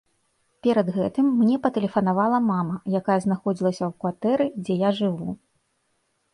Перад гэтым мне патэлефанавала мама, якая знаходзілася ў кватэры, дзе я жыву.